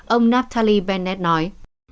ông natali bennett nói